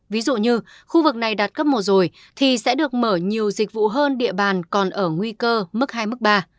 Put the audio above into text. ví dụ như khu vực này đạt cấp một rồi thì sẽ được mở nhiều dịch vụ hơn địa bàn còn ở nguy cơ mức hai mức ba